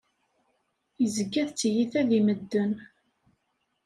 Yezga d tiyita di medden.